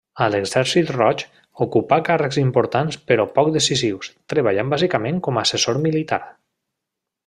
A l'Exèrcit Roig ocupà càrrecs importants però poc decisius, treballant bàsicament com a assessor militar.